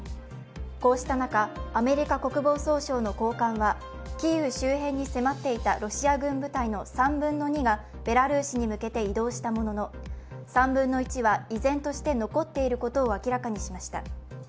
こうした中、アメリカ国防総省の高官は、キーウ周辺に迫っていたロシア軍部隊の３分の２がベラルーシに向けて移動したものの、３分の１は依然として残っていることを明らかにしました。